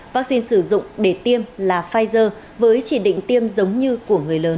vaccine sử dụng để tiêm là pfizer với chỉ định tiêm giống như của người lớn